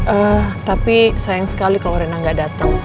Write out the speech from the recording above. eh tapi sayang sekali kalau reina gak dateng